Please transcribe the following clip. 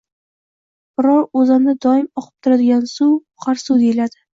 Biror oʻzanda doim oqib turadigan suv oqar suv deyiladi